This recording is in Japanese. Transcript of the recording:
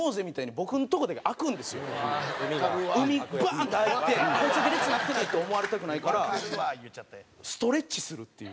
せいや：海、バーンって開いてこいつだけ列になってないって思われたくないからストレッチするっていう。